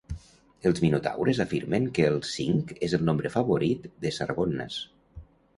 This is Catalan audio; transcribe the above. Els minotaures afirmen que el cinc és el nombre favorit de Sargonnas.